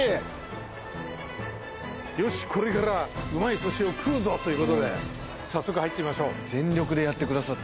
よしこれからうまい寿司を食うぞということで早速入ってみましょう。